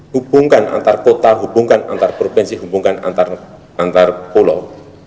hubungkan antar kota hubungan antar provinsi hubungkan antar pulau